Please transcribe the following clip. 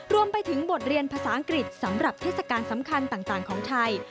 รวมไปถึงบทเรียนภาษาอังกฤษสำหรับเทศกาลสำคัญต่างของไทย